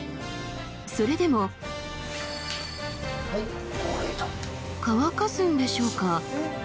それでもはい乾かすんでしょうか？